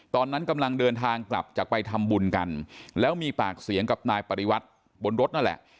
ตอนนั้นกำลังเดินทางกลับจากไปทำบุญกันแล้วมีปากเสียงกับนายปริวัติบนรถนั่นแหละ